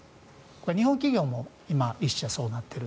これは日本企業も今１社そうなっている。